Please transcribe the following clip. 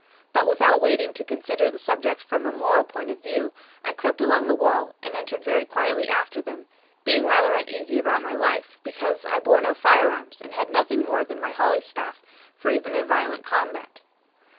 But without waiting to consider the subject from a moral point of view, I crept along the wall, and entered very quietly after them; being rather uneasy about my life, because I bore no fire arms, and had nothing more than my holly staff, for even a violent combat.